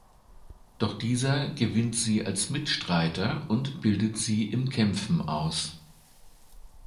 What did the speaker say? Doch dieser gewinnt sie als Mitstreiter und bildet sie im Kämpfen aus.